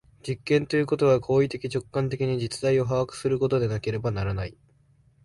実験ということは行為的直観的に実在を把握することでなければならない。